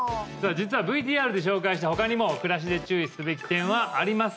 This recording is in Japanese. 実はＶＴＲで紹介した他にも暮らしで注意すべき点はあります